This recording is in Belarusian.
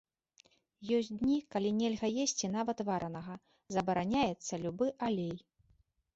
Ёсць дні, калі нельга есці нават варанага, забараняецца любы алей.